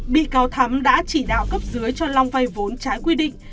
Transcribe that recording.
bị cáo thắm đã chỉ đạo cấp dưới cho long vay vốn trái quy định